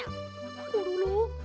コロロ？